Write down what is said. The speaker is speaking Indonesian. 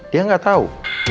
dia gak tau